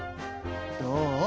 どう？